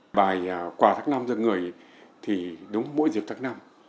thì quả tháng năm dương người thì đúng mỗi dịp tháng năm